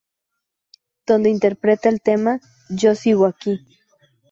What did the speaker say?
Donde interpreta el tema "Yo sigo aquí".